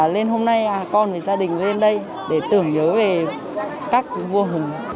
lên hôm nay con thì gia đình lên đây để tưởng nhớ về các vua hùng